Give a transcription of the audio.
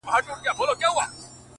د خپل ژوند عکس ته گوري”